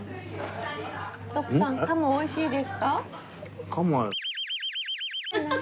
徳さん鴨美味しいですか？